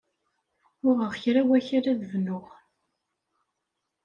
Uɣeɣ kra wakal ad bnuɣ.